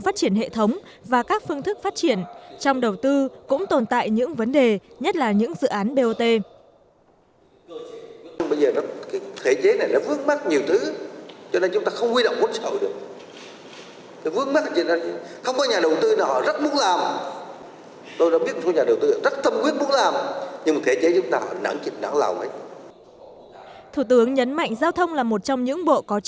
thủ tướng nguyễn xuân phúc